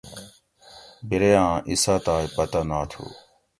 بیرے آں ایساتائ پتہ ناتھو